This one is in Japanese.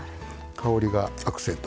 香りがアクセント。